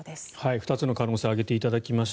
２つの可能性挙げていただきました。